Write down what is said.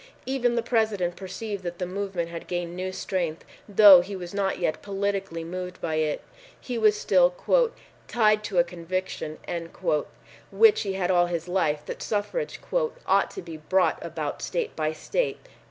Even the President perceived that the movement had gained new strength, though he was not yet politically moved by it. He was still "tied to a conviction" which he had had all his life that suffrage "ought to be brought about state by state."